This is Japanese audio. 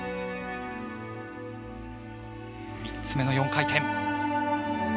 ３つ目の４回転。